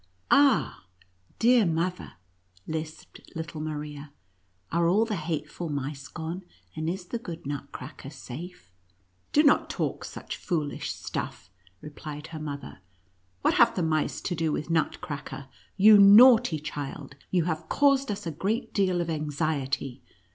" Ah, dear mother," lisped little Maria, " are all the hateful mice gone, and is the good Nutcracker safe V " Do not talk such foolish stuff," replied her mother ;" what have the mice to do with Nut cracker ? You naughty child, you have caused us a great deal of anxiety.